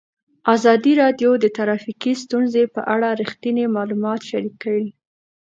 ازادي راډیو د ټرافیکي ستونزې په اړه رښتیني معلومات شریک کړي.